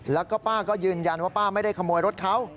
แล้วก็ป้าก็ยืนยันว่าป้าไม่ได้ขโมยรถเขา